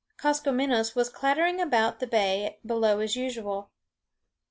Koskomenos was clattering about the bay below as usual.